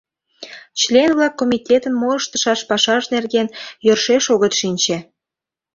Член-влак комитетын мо ыштышаш пашаж нерген йӧршеш огыт шинче.